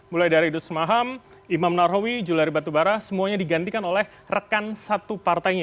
mulai dari idud semaham imam narowi juliari batubara semuanya digantikan oleh rekan satu partainya